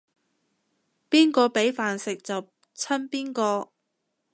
邊個畀飯食就親邊個